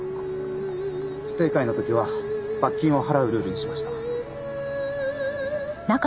不正解の時は罰金を払うルールにしました。